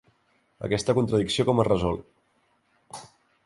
Aquesta contradicció com es resol?